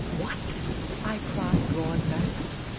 " What ?" I cried, drawing back.